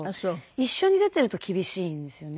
一緒に出ていると厳しいんですよね。